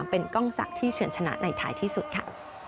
เป็นกล้องศักดิ์ที่เฉินชนะในท้ายที่สุดค่ะ